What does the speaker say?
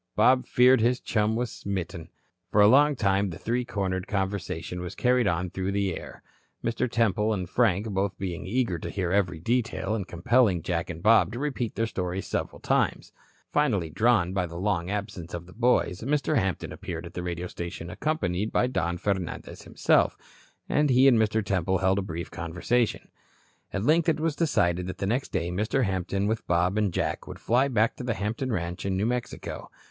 Bob feared his chum was smitten. For a long time the three cornered conversation was carried on through the air, Mr. Temple and Frank both being eager to hear every detail and compelling Jack and Bob to repeat their stories several times. Finally, drawn by the long absence of the boys, Mr. Hampton appeared at the radio station accompanied by Don Fernandez himself, and he and Mr. Temple held a brief conversation. At length it was decided that the next day Mr. Hampton, with Bob and Jack, would fly back to the Hampton ranch in New Mexico.